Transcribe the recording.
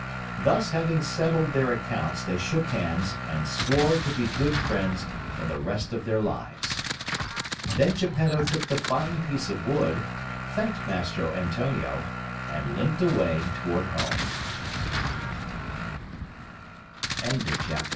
Thus having settled their accounts, they shook hands and swore to be good friends for the rest of their lives. Then Geppetto took the fine piece of wood, thanked Mastro Antonio, and limped away tow